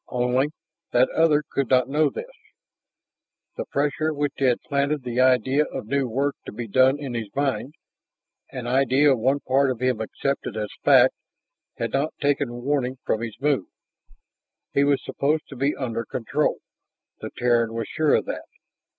Only (that other could not know this) the pressure which had planted the idea of new work to be done in his mind an idea one part of him accepted as fact had not taken warning from his move. He was supposed to be under control; the Terran was sure of that.